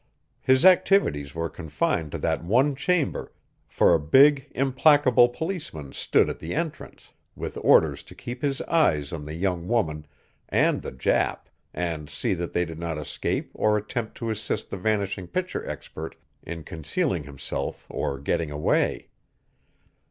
His activities were confined to that one chamber, for a big, implacable policeman stood at the entrance, with orders to keep his eye on the young woman and the Jap and see that they did not escape or attempt to assist the vanished picture expert in concealing himself or getting away.